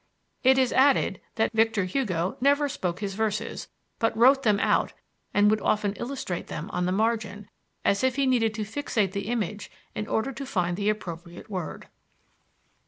'" It is added that "Victor Hugo never spoke his verses but wrote them out and would often illustrate them on the margin, as if he needed to fixate the image in order to find the appropriate word."